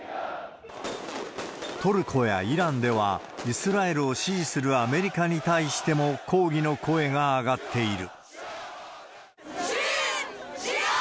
トルコやイランでは、イスラエルを支持するアメリカに対しても抗議の声が上がっている。